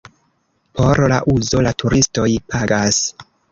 Por la uzo la turistoj pagas.